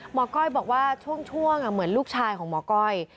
ก้อยบอกว่าช่วงเหมือนลูกชายของหมอก้อย